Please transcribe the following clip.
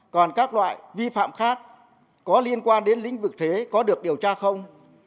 còn các loại vi phạm khác có liên quan đến lĩnh vực thuế có được điều tra không